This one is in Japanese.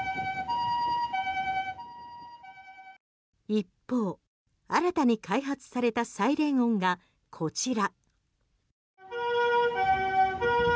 一方、新たに開発されたサイレン音がこちら。